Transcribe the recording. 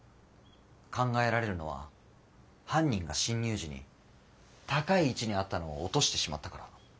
考えられるのは犯人が侵入時に高い位置にあったのを落としてしまったから？